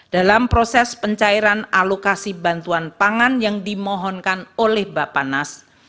dalam proses pencairan alokasi bantuan pangan yang dimohonkan oleh bapak nas